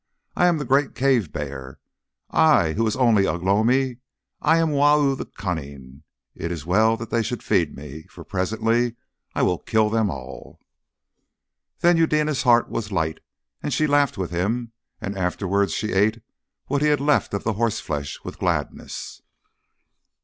I am the Great Cave Bear, I who was only Ugh lomi. I am Wau the Cunning. It is well that they should feed me, for presently I will kill them all." Then Eudena's heart was light, and she laughed with him; and afterwards she ate what he had left of the horseflesh with gladness.